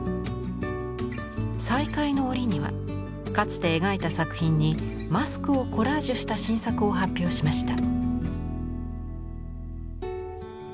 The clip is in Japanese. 再開の折にはかつて描いた作品にマスクをコラージュした新作を発表しました。